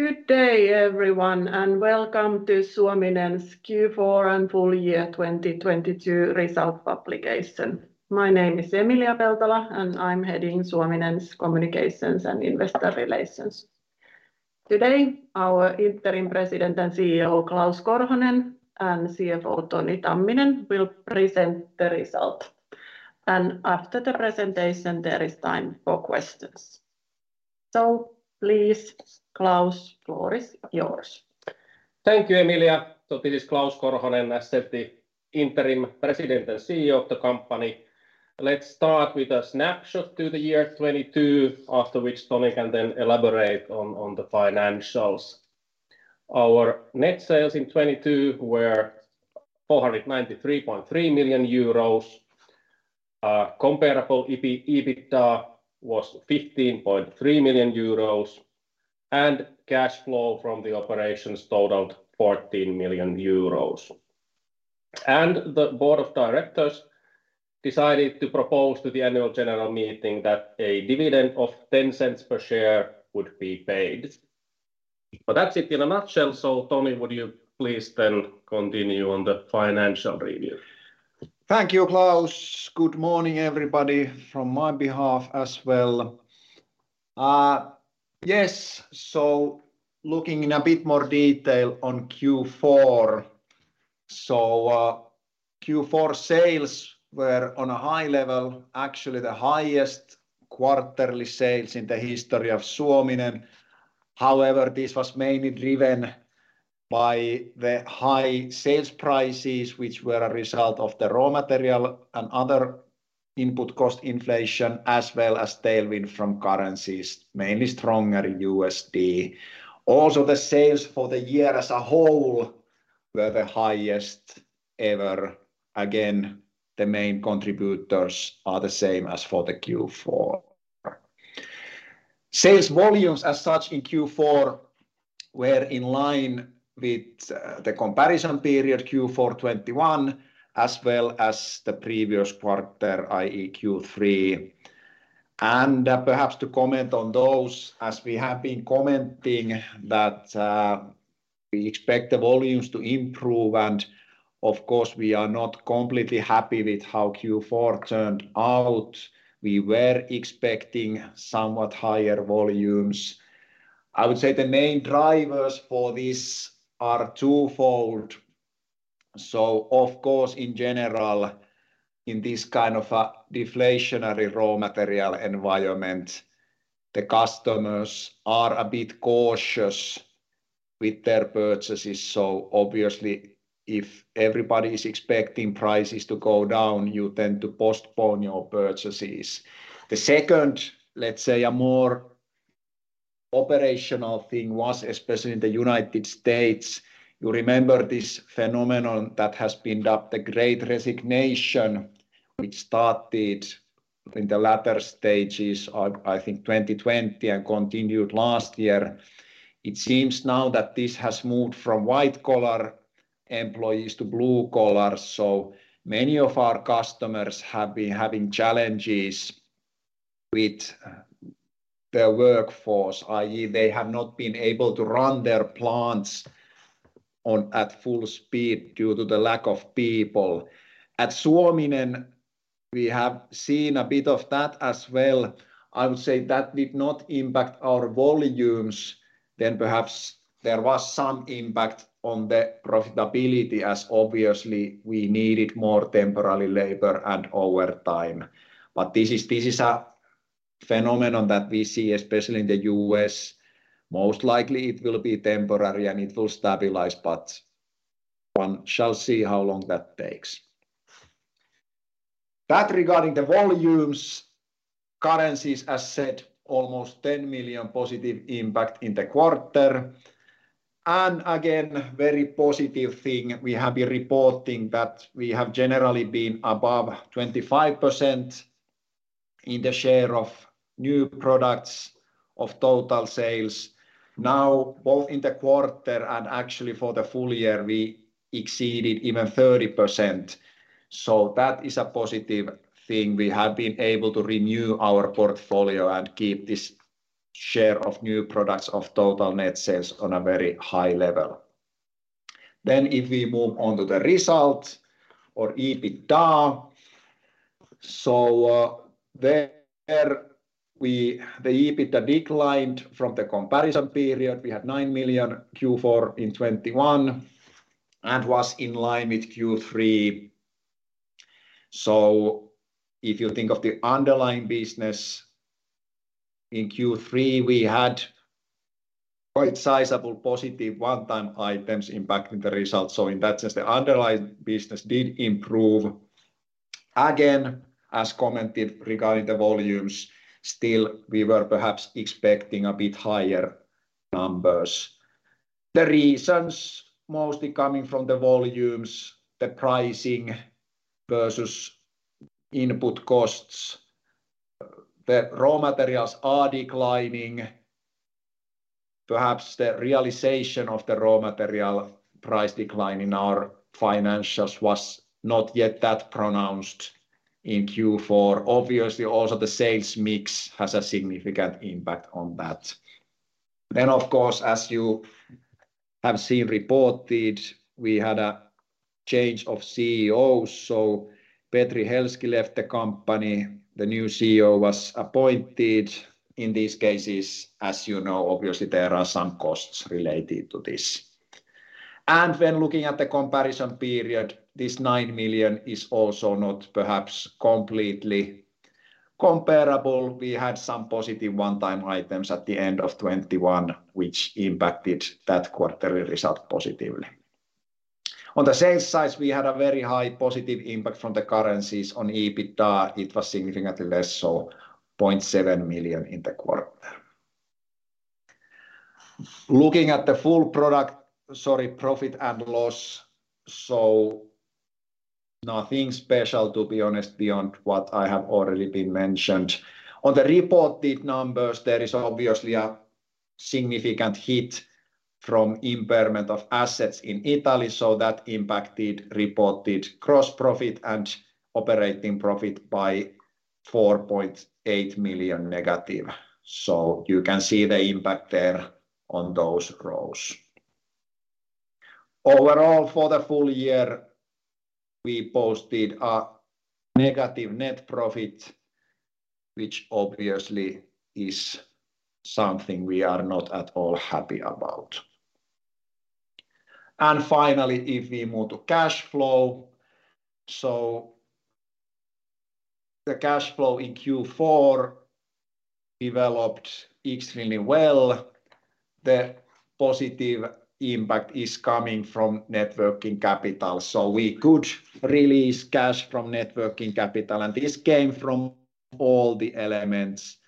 Good day everyone and welcome to Suominen's Q4 and full year 2022 result publication. My name is Emilia Peltola and I'm heading Suominen's Communications and Investor Relations. Today, our Interim President and CEO, Klaus Korhonen, and CFO Toni Tamminen will present the result and after the presentation, there is time for questions. Please Klaus, floor is yours. Thank you, Emilia. This is Klaus Korhonen, as said, the Interim President and CEO of the company. Let's start with a snapshot to the year 2022, after which Toni can then elaborate on the financials. Our net sales in 2022 were 493.3 million euros. Comparable EBITDA was 15.3 million euros and cash flow from the operations totaled 14 million euros. The board of directors decided to propose to the annual general meeting that a dividend of 0.10 per share would be paid. That's it in a nutshell. Toni, would you please then continue on the financial review? Thank you, Klaus. Good morning everybody from my behalf as well. Yes, looking in a bit more detail on Q4. Q4 sales were on a high level, actually the highest quarterly sales in the history of Suominen. However, this was mainly driven by the high sales prices, which were a result of the raw material and other input cost inflation as well as tailwind from currencies, mainly stronger USD. Also, the sales for the year as a whole were the highest ever. Again, the main contributors are the same as for the Q4. Sales volumes as such in Q4 were in line with the comparison period Q4 2021 as well as the previous quarter, i.e. Q3. Perhaps to comment on those as we have been commenting that we expect the volumes to improve and of course we are not completely happy with how Q4 turned out. We were expecting somewhat higher volumes. I would say the main drivers for this are twofold. Of course in general in this kind of a deflationary raw material environment, the customers are a bit cautious with their purchases. Obviously if everybody is expecting prices to go down you tend to postpone your purchases. The second, let's say a more operational thing was especially in the United States, you remember this phenomenon that has been dubbed the Great Resignation, which started in the latter stages of I think 2020 and continued last year. It seems now that this has moved from white collar employees to blue collar. Many of our customers have been having challenges with their workforce, i.e. they have not been able to run their plants on at full speed due to the lack of people. At Suominen, we have seen a bit of that as well. I would say that did not impact our volumes, perhaps there was some impact on the profitability as obviously we needed more temporarily labor and over time. This is a phenomenon that we see especially in the U.S. Most likely it will be temporary and it will stabilize, but one shall see how long that takes. That regarding the volumes, currencies as said, almost 10 million positive impact in the quarter. Again, very positive thing we have been reporting that we have generally been above 25% in the share of new products of total sales. Both in the quarter and actually for the full year, we exceeded even 30%. That is a positive thing. We have been able to renew our portfolio and keep this share of new products of total net sales on a very high level. If we move on to the results or EBITDA. The EBITDA declined from the comparison period. We had 9 million Q4 in 2021 and was in line with Q3. If you think of the underlying business, in Q3 we had quite sizable positive one time items impacting the results. In that sense, the underlying business did improve. Again, as commented regarding the volumes, still we were perhaps expecting a bit higher numbers. The reasons mostly coming from the volumes, the pricing versus input costs. The raw materials are declining. Perhaps the realization of the raw material price decline in our financials was not yet that pronounced in Q4. Also the sales mix has a significant impact on that. Of course, as you have seen reported, we had a change of CEOs. Petri Helsky left the company, the new CEO was appointed. In these cases, as you know, obviously there are some costs related to this. When looking at the comparison period, this 9 million is also not perhaps completely comparable. We had some positive one-time items at the end of 2021 which impacted that quarterly result positively. On the sales side, we had a very high positive impact from the currencies. On EBITDA it was significantly less, 0.7 million in the quarter. Looking at the full profit and loss. Nothing special to be honest beyond what I have already been mentioned. On the reported numbers, there is obviously a significant hit from impairment of assets in Italy. That impacted reported gross profit and operating profit by 4.8 million negative. You can see the impact there on those rows. Overall, for the full year, we posted a negative net profit, which obviously is something we are not at all happy about. Finally, if we move to cash flow. The cash flow in Q4 developed extremely well. The positive impact is coming from net working capital. We could release cash from net working capital, and this came from all the elements.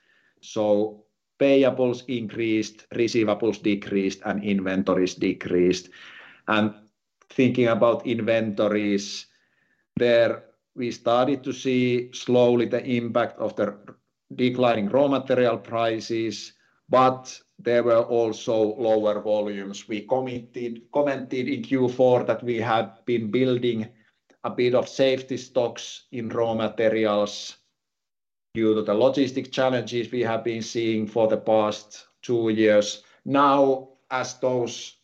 Payables increased, receivables decreased, and inventories decreased. Thinking about inventories, there we started to see slowly the impact of the declining raw material prices, but there were also lower volumes. We commented in Q4 that we had been building a bit of safety stocks in raw materials due to the logistic challenges we have been seeing for the past two years. As those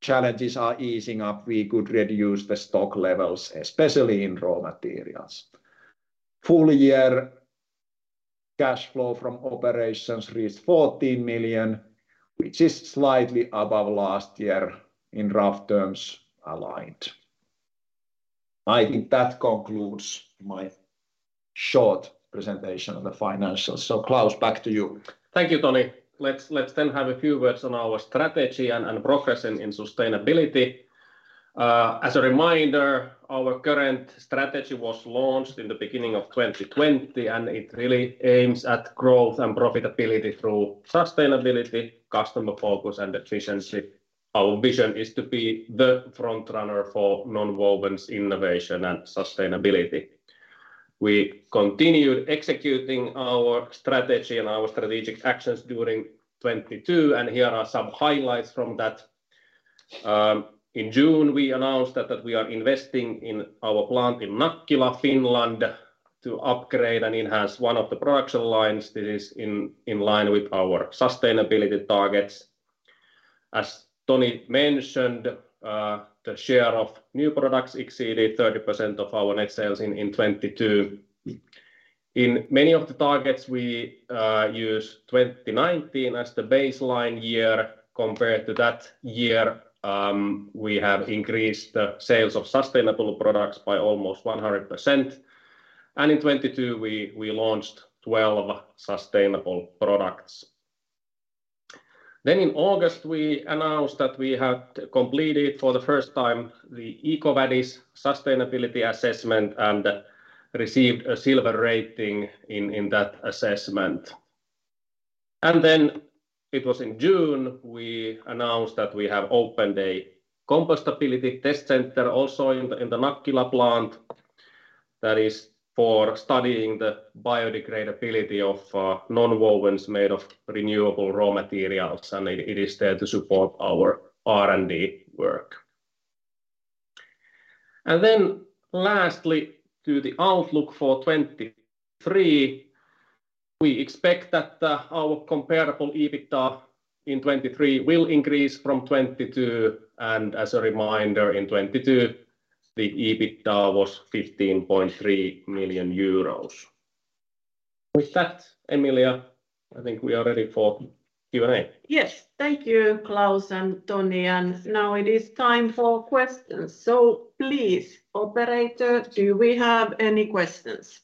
challenges are easing up, we could reduce the stock levels, especially in raw materials. Full year cash flow from operations reached 14 million, which is slightly above last year, in rough terms aligned. I think that concludes my short presentation on the financials. Klaus, back to you. Thank you, Toni. Let's then have a few words on our strategy and progress in sustainability. As a reminder, our current strategy was launched in the beginning of 2020. It really aims at growth and profitability through sustainability, customer focus, and efficiency. Our vision is to be the front runner for nonwovens innovation and sustainability. We continued executing our strategy and our strategic actions during 2022. Here are some highlights from that. In June, we announced that we are investing in our plant in Nakkila, Finland, to upgrade and enhance one of the production lines that is in line with our sustainability targets. As Toni mentioned, the share of new products exceeded 30% of our net sales in 2022. In many of the targets, we used 2019 as the baseline year. Compared to that year, we have increased the sales of sustainable products by almost 100%. In 2022 we launched 12 sustainable products. In August, we announced that we had completed for the first time the EcoVadis sustainability assessment and received a silver rating in that assessment. It was in June, we announced that we have opened a compostability test center also in the Nakkila plant. That is for studying the biodegradability of nonwovens made of renewable raw materials, and it is there to support our R&D work. Lastly to the outlook for 2023. We expect that our comparable EBITDA in 2023 will increase from 2022. As a reminder, in 2022, the EBITDA was 15.3 million euros. With that, Emilia, I think we are ready for Q&A. Yes. Thank you, Klaus and Toni. Now it is time for questions. Please, operator, do we have any questions?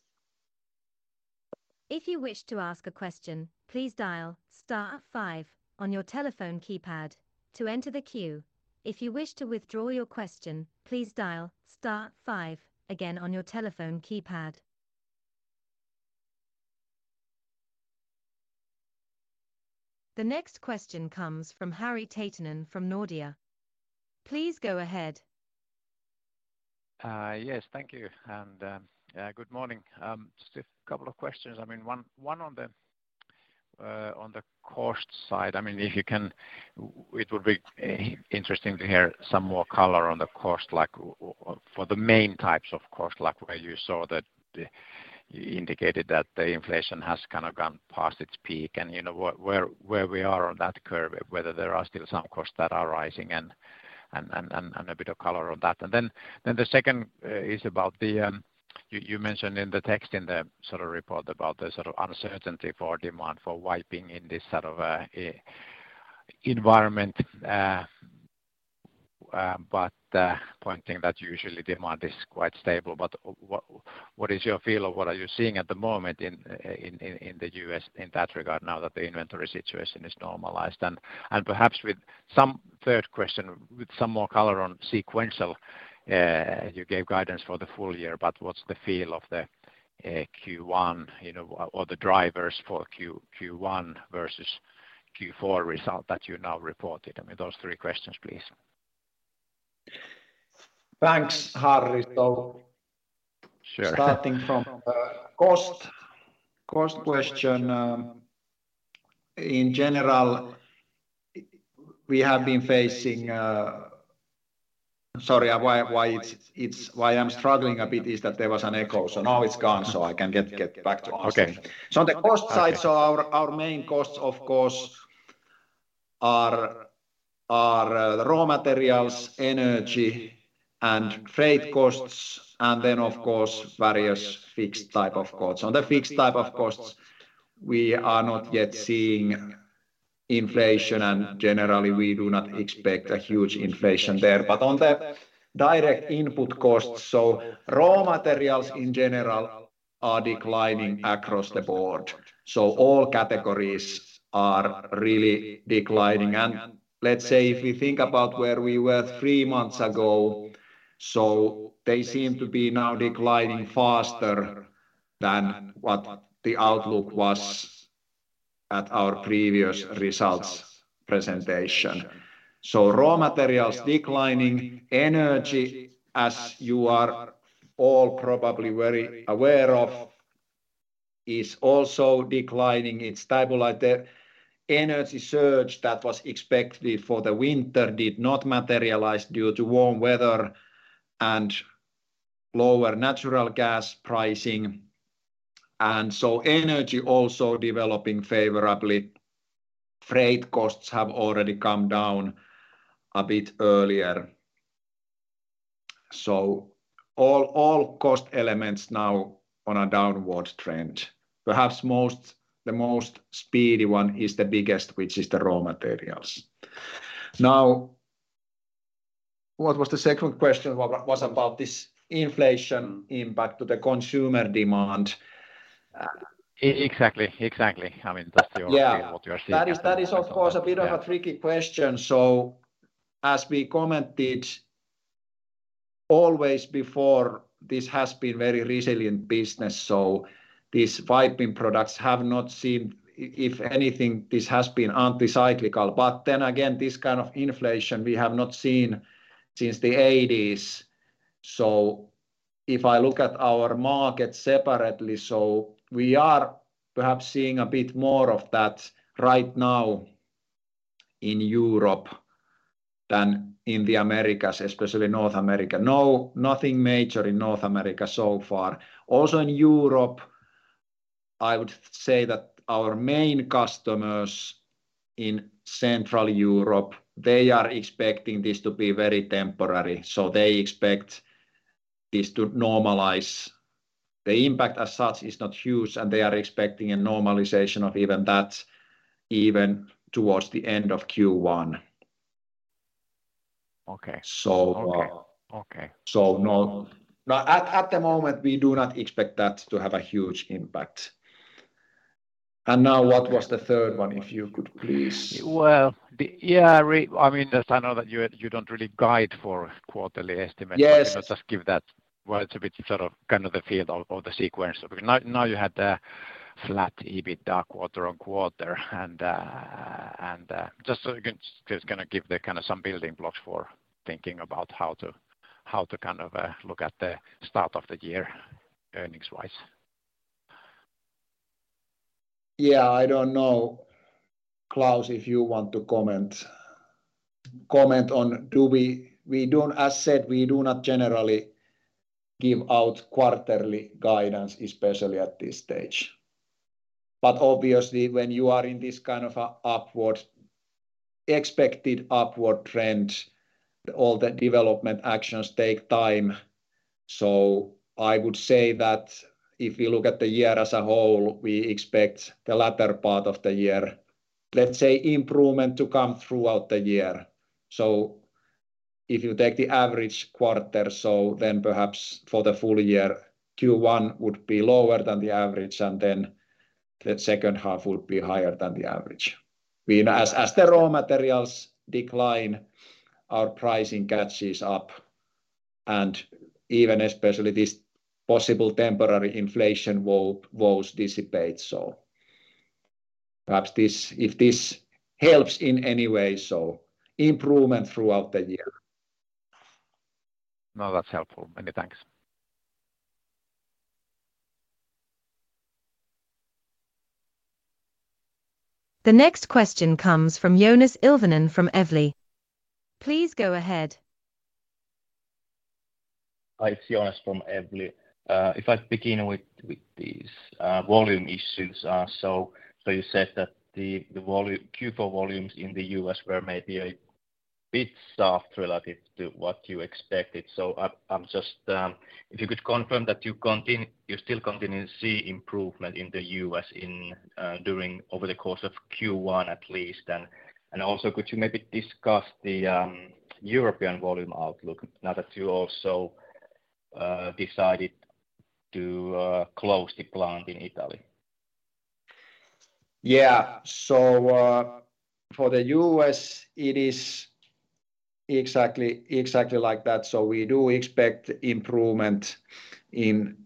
If you wish to ask a question, please dial star five on your telephone keypad to enter the queue. If you wish to withdraw your question, please dial star five again on your telephone keypad. The next question comes from Harri Taittonen from Nordea. Please go ahead. Yes. Thank you and good morning. Just a couple of questions. I mean, one on the cost side. I mean, it would be interesting to hear some more color on the cost, like, for the main types of cost, like where you saw that you indicated that the inflation has kind of gone past its peak, and you know, where we are on that curve. Whether there are still some costs that are rising and a bit of color on that. Then the second is about, you mentioned in the text in the sort of report about the sort of uncertainty for demand for wiping in this sort of environment. Pointing that usually demand is quite stable, but what is your feel of what are you seeing at the moment in the U.S. in that regard now that the inventory situation is normalized? Perhaps with some third question, with some more color on sequential, you gave guidance for the full year, but what's the feel of the Q1, you know, or the drivers for Q1 versus Q4 result that you now reported? I mean, those three questions please. Thanks, Harri. Sure. Starting from the cost question, in general, we have been facing, sorry, why I'm struggling a bit is that there was an echo. Now it's gone, so I can get back to cost. Okay The cost side. Okay Our main costs of course are the raw materials, energy and freight costs, and then of course various fixed type of costs. On the fixed type of costs, we are not yet seeing inflation and generally we do not expect a huge inflation there. On the direct input costs, so raw materials in general are declining across the board. All categories are really declining. Let's say if we think about where we were three months ago, so they seem to be now declining faster than what the outlook was at our previous results presentation. Raw materials declining. Energy, as you are all probably very aware of, is also declining. It's stabilized there. Energy surge that was expected for the winter did not materialize due to warm weather and lower natural gas pricing, and so energy also developing favorably. Freight costs have already come down a bit earlier. All cost elements now on a downward trend. Perhaps the most speedy one is the biggest, which is the raw materials. What was the second question? Was about this inflation impact to the consumer demand. Exactly. I mean, I feel what you're seeing. That is of course a bit of a tricky question. As we commented always before, this has been very resilient business. These wiping products have not seen if anything, this has been anti-cyclical. This kind of inflation, we have not seen since the 80s. If I look at our market separately, we are perhaps seeing a bit more of that right now in Europe than in the Americas, especially North America. No, nothing major in North America so far. Also in Europe, I would say that our main customers in Central Europe, they are expecting this to be very temporary. They expect this to normalize. The impact as such is not huge, and they are expecting a normalization of even that even towards the end of Q1. Okay. So, at the moment, we do not expect that to have a huge impact. Now what was the third one, if you could please? Well, Yeah. I mean, just I know that you don't really guide for quarterly estimates. Yes but, you know, just give that, it's a bit sort of, kind of the feel of the sequence. Now you had the flat EBITDA quarter-on-quarter and, just so you can just kinda give the kind of some building blocks for thinking about how to kind of look at the start of the year earnings-wise. Yeah. I don't know, Klaus, if you want to comment on. We don't. As said, we do not generally give out quarterly guidance, especially at this stage. Obviously when you are in this kind of a expected upward trend, all the development actions take time. I would say that if you look at the year as a whole, we expect the latter part of the year, let's say, improvement to come throughout the year. If you take the average quarter, perhaps for the full year, Q1 would be lower than the average, and then the second half would be higher than the average. As the raw materials decline, our pricing catches up and even especially this possible temporary inflation woes dissipate. Perhaps if this helps in any way, so improvement throughout the year. No, that's helpful. Many thanks. The next question comes from Joonas Ilvonen from Evli. Please go ahead. Hi, it's Joonas from Evli. If I begin with these volume issues. You said that the Q4 volumes in the US were maybe a bit soft relative to what you expected. I'm just, if you could confirm that you still continue to see improvement in the US over the course of Q1 at least? Also could you maybe discuss the European volume outlook now that you also decided to close the plant in Italy? For the U.S., it is exactly like that. We do expect improvement in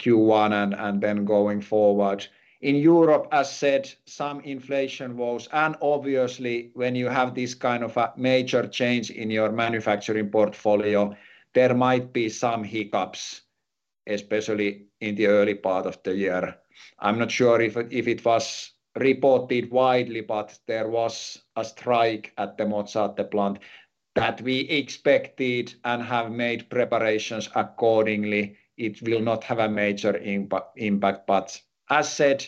Q1 and then going forward. In Europe, as said, some inflation woes. Obviously, when you have this kind of a major change in your manufacturing portfolio, there might be some hiccups, especially in the early part of the year. I'm not sure if it was reported widely, but there was a strike at the Mozzate plant that we expected and have made preparations accordingly. It will not have a major impact, but as said,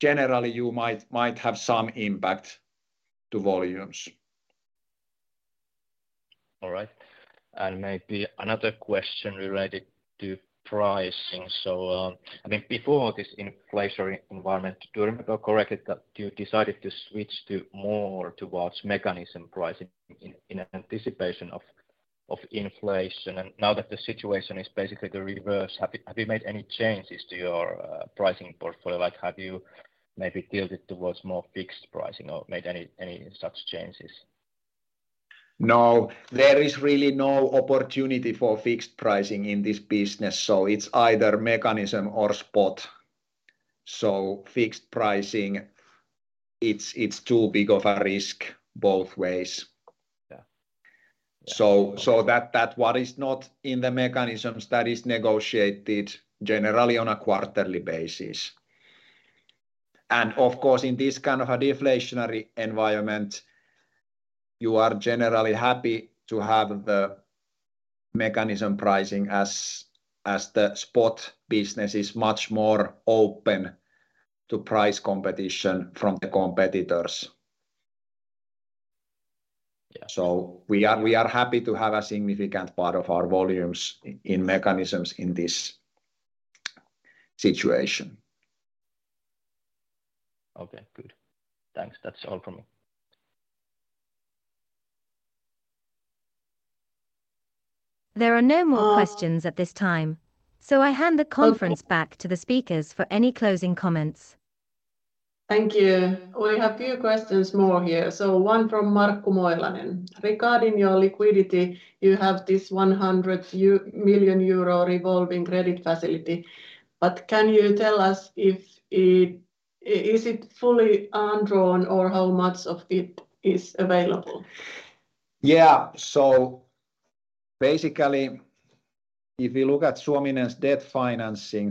generally you might have some impact to volumes. All right. Maybe another question related to pricing. I mean, before this inflationary environment, if I'm correct, that you decided to switch to more towards mechanism pricing in anticipation of inflation. Now that the situation is basically the reverse, have you made any changes to your pricing portfolio? Like, have you maybe tilted towards more fixed pricing or made any such changes? No. There is really no opportunity for fixed pricing in this business, so it's either mechanism or spot. Fixed pricing, it's too big of a risk both ways. Yeah. That what is not in the mechanisms, that is negotiated generally on a quarterly basis. Of course, in this kind of a deflationary environment, you are generally happy to have the mechanism pricing as the spot business is much more open to price competition from the competitors. Yeah. We are happy to have a significant part of our volumes in mechanisms in this situation. Okay, good. Thanks. That's all from me. There are no more questions at this time, so I hand the conference back to the speakers for any closing comments. Thank you. We have few questions more here. One from Markku Moilanen. Regarding your liquidity, you have this 100 million euro revolving credit facility, can you tell us if it is fully undrawn, or how much of it is available? Basically, if you look at Suominen's debt financing.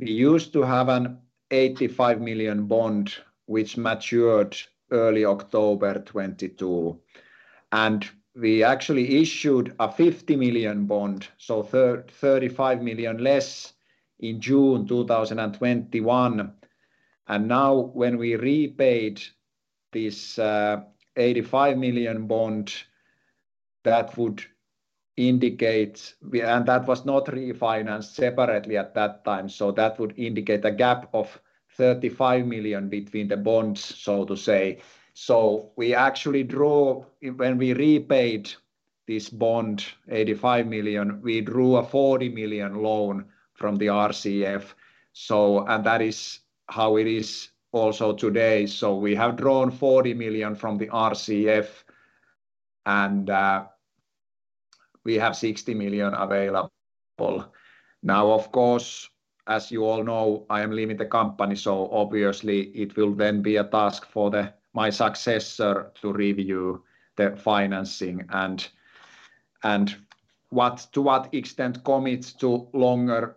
We used to have an 85 million bond, which matured early October 2022, and we actually issued an 50 million bond, so 35 million less in June 2021. Now when we repaid this 85 million bond, that would indicate we. That was not refinanced separately at that time. That would indicate a gap of 35 million between the bonds, so to say. We actually drew. When we repaid this bond, 85 million, we drew an 40 million loan from the RCF. That is how it is also today. We have drawn 40 million from the RCF, and we have 60 million available. Now, of course, as you all know, I am leaving the company, so obviously it will then be a task for my successor to review the financing and to what extent commit to longer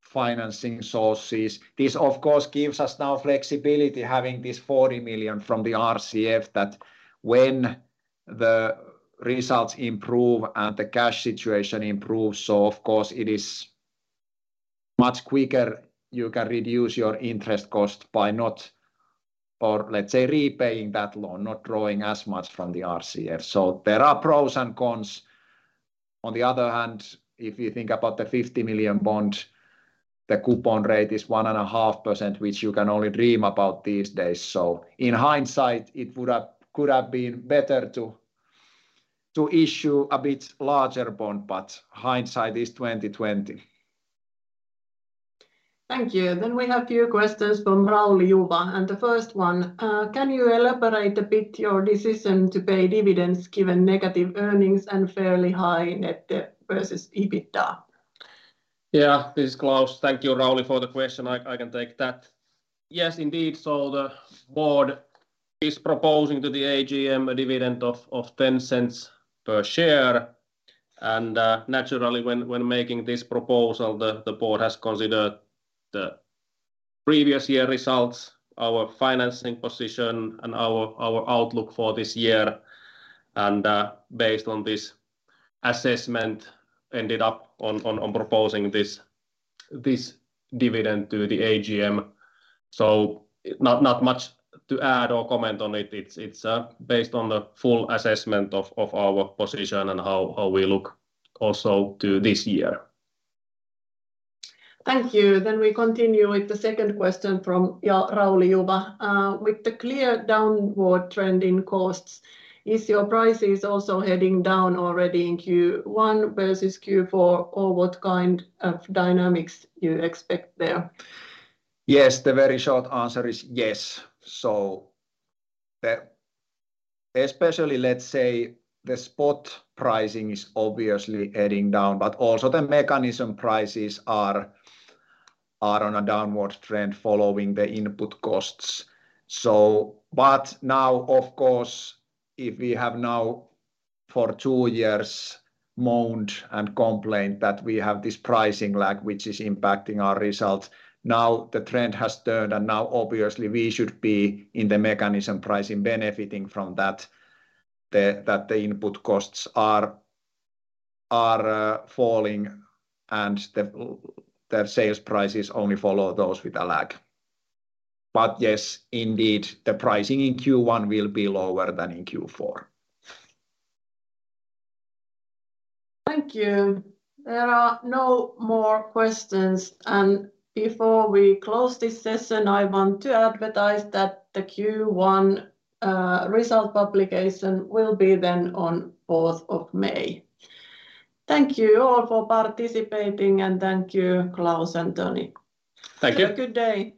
financing sources. This of course gives us now flexibility having this 40 million from the RCF that when the results improve and the cash situation improves, of course it is much quicker. You can reduce your interest cost by not or let's say repaying that loan, not drawing as much from the RCF. There are pros and cons. On the other hand, if you think about the 50 million bond, the coupon rate is 1.5%, which you can only dream about these days. In hindsight, it would have, could have been better to issue a bit larger bond, but hindsight is 20/20. Thank you. We have few questions from Rauli Juva. The first one, can you elaborate a bit your decision to pay dividends given negative earnings and fairly high net debt versus EBITDA? This is Klaus. Thank you, Rauli, for the question. I can take that. Yes, indeed. The board is proposing to the AGM a dividend of 0.10 per share. Naturally, when making this proposal, the board has considered the previous year results, our financing position, and our outlook for this year. Based on this assessment, ended up on proposing this dividend to the AGM. Not much to add or comment on it. It's based on the full assessment of our position and how we look also to this year. Thank you. We continue with the second question from Rauli Juva. With the clear downward trend in costs, is your prices also heading down already in Q1 versus Q4? What kind of dynamics you expect there? Yes. The very short answer is yes. Especially, let's say, the spot pricing is obviously heading down, but also the mechanism prices are on a downward trend following the input costs. Now, of course, if we have now for two years moaned and complained that we have this pricing lag, which is impacting our results, now the trend has turned, and now obviously we should be in the mechanism pricing benefiting from that the input costs are falling and the sales prices only follow those with a lag. Yes, indeed, the pricing in Q1 will be lower than in Q4. Thank you. There are no more questions. Before we close this session, I want to advertise that the Q1 result publication will be then on fourth of May. Thank you all for participating, and thank you, Klaus and Toni. Thank you. Have a good day.